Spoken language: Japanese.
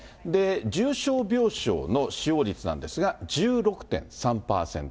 重症病床の使用率なんですが、１６．３％。